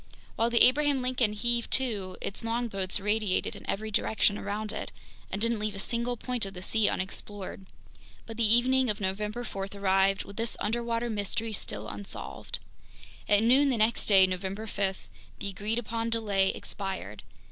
While the Abraham Lincoln heaved to, its longboats radiated in every direction around it and didn't leave a single point of the sea unexplored. But the evening of November 4 arrived with this underwater mystery still unsolved. At noon the next day, November 5, the agreed upon delay expired.